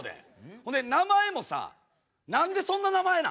ほんで名前もさ何でそんな名前なん？